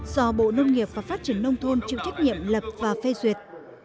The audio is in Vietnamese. do bộ nông nghiệp và phát triển nông thôn chịu trách nhiệm lập và phê duyệt